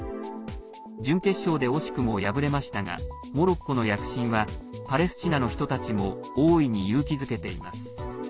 準決勝で惜しくも敗れましたがモロッコの躍進はパレスチナの人たちも大いに勇気づけています。